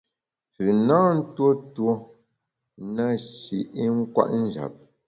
Pü na ntuo tuo na shi i nkwet njap.